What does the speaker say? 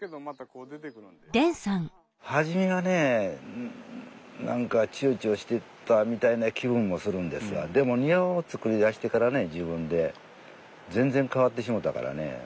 初めはね何かちゅうちょしてたみたいな気分もするんですがでも庭を造りだしてからね自分で全然変わってしもたからね。